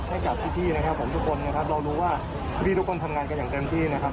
ให้กับพี่นะครับผมทุกคนนะครับเรารู้ว่าพี่ทุกคนทำงานกันอย่างเต็มที่นะครับ